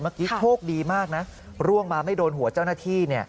เมื่อกี้โชคดีมากนะร่วงมาไม่โดนหัวเจ้าหน้าที่